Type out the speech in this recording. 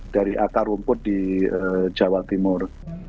dari akar rumput di jawa timur